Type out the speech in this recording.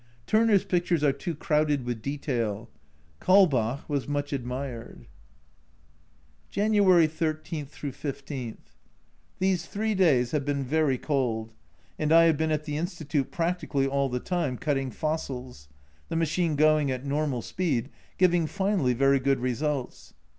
Turner's pictures are too crowded with detail !! Kaulbach was much admired. January 13 15. These three days have been very cold, and I have been at the Institute practically all the time cutting fossils ; the machine going at normal speed, giving finally very good results.